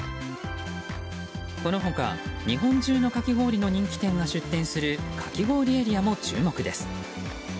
この他、日本中のかき氷の人気店が出店するかき氷エリアも注目です。